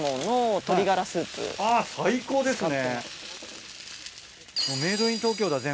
あっ最高ですね。